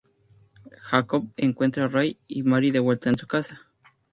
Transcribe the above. Hancock encuentra a Ray y Mary de vuelta en su casa.